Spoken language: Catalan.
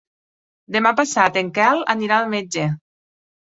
Demà passat en Quel anirà al metge.